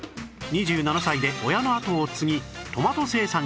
２７歳で親の後を継ぎトマト生産者に